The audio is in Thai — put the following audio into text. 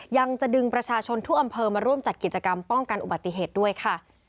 ยังจะดึงประชาชนทุกอำเภอมาร่วมจัดกิจกรรมป้องกันอุบัติเหตุด้วยค่ะ